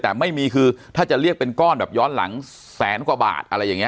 แต่ไม่มีคือถ้าจะเรียกเป็นก้อนแบบย้อนหลังแสนกว่าบาทอะไรอย่างนี้